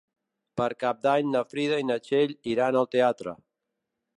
Per Cap d'Any na Frida i na Txell iran al teatre.